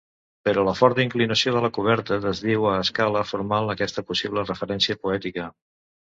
Però la forta inclinació de la coberta desdiu a escala formal aquesta possible referència poètica.